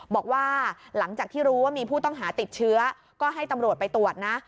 บอกว่าหลังจากที่รู้ว่ามีผู้ต้องหาติดเชื้อก็ให้ตำรวจไปตรวจนะ